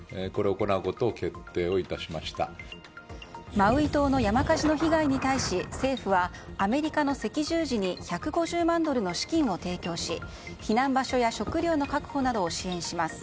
マウイ島の山火事の被害に対し政府はアメリカの赤十字に１５０万ドルの資金を提供し避難場所や食料の確保などを支援します。